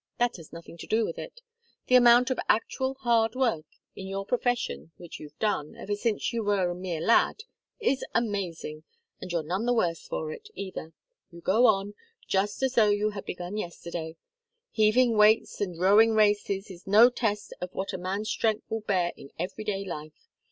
That has nothing to do with it. The amount of actual hard work, in your profession, which you've done ever since you were a mere lad is amazing, and you're none the worse for it, either. You go on, just as though you had begun yesterday. Heaving weights and rowing races is no test of what a man's strength will bear in everyday life.